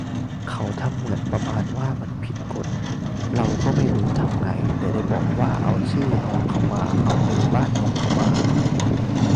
เขาทำเหมือนประมาณว่ามันผิดกฎ เราก็ไม่รู้ทำไง ได้แต่บอกว่าเอาชื่อน้องเค้ามา เอาเบอร์บ้านน้องเค้ามา